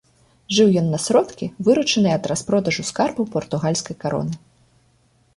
Жыў ён на сродкі, выручаныя ад распродажу скарбаў партугальскай кароны.